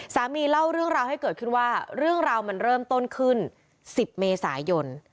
เล่าเรื่องราวให้เกิดขึ้นว่าเรื่องราวมันเริ่มต้นขึ้น๑๐เมษายน